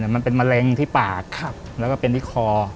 มันเป็นมะเร็งที่ปากแล้วก็เป็นที่คอ